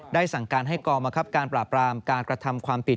สั่งการให้กองบังคับการปราบรามการกระทำความผิด